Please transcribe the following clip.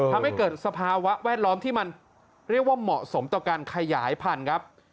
ทำให้เกิดสภาวะแวดล้อมที่มันเรียกว่าเหมาะสมต่อการขยายพันธุ์ครับ